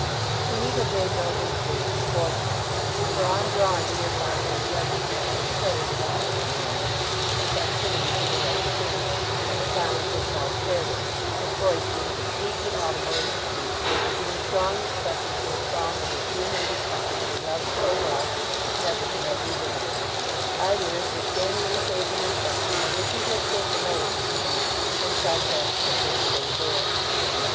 He need have made no inquiries beforehand, for on drawing near Farfrae's residence it was plain to the least observant that festivity prevailed within, and that Donald himself shared it, his voice being distinctly audible in the street, giving strong expression to a song of his dear native country that he loved so well as never to have revisited it. Idlers were standing on the pavement in front; and wishing to escape the notice of these Henchard passed quickly on to the door.